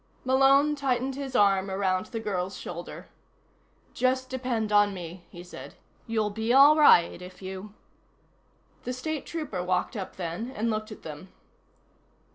Malone tightened his arm around the girl's shoulder. "Just depend on me," he said. "You'll be all right if you " The State Trooper walked up then, and looked at them.